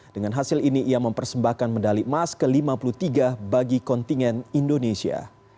dengan hasil ini ia mempersembahkan medali emas ke lima puluh tiga bagi kontingen indonesia